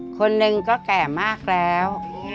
คนหนึ่งก็แก่มากแล้ว